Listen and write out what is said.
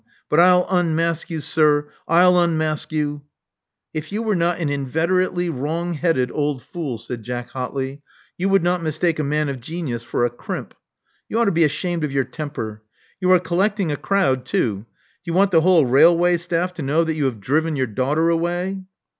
But 1*11 unmask you, sir. I'll unmask you." If you were not an inveterately wrongheaded old fool," said Jack hotly, you would not mistake a man of genius for a crimp. You ought to be ashamed of your temper. You are collecting a crowd too. Do you want the whole railway staff to know that you have driven your daughter away?"